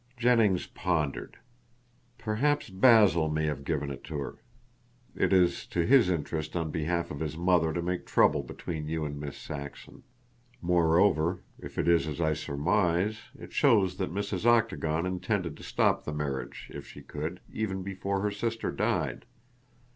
Jennings pondered. "Perhaps Basil may have given it to her. It is to his interest on behalf of his mother to make trouble between you and Miss Saxon. Moreover, if it is as I surmise, it shows that Mrs. Octagon intended to stop the marriage, if she could, even before her sister died."